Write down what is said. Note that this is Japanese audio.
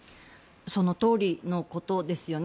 そのとおりのことですよね。